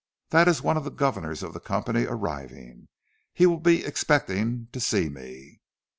That is one of the governors of the company arriving. He will be expecting to see me!"